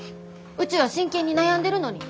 うちは真剣に悩んでるのに。